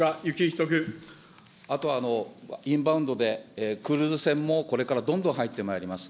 あと、インバウンドでクルーズ船もこれからどんどん入ってまいります。